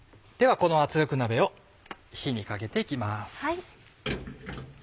この圧力鍋を火にかけて行きます。